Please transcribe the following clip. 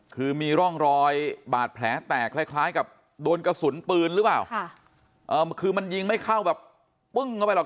คือมีร่องรอยบาดแผลแตกคล้ายคล้ายกับโดนกระสุนปืนหรือเปล่าคือมันยิงไม่เข้าแบบปึ้งเข้าไปหรอก